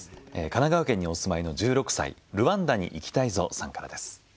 神奈川県にお住まいの１６歳ルワンダに行きたいぞさんからです。